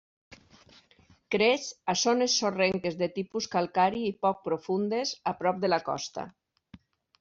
Creix a zones sorrenques de tipus calcari i poc profundes a prop de la costa.